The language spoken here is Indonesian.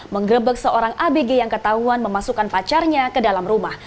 mengerebek seorang abg yang ketahuan memasukkan pacarnya ke dalam rumah